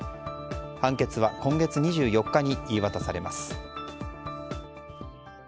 判決は今月２４日に言い渡されます。